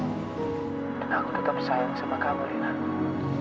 dan aku tetap sayang sama kamu rina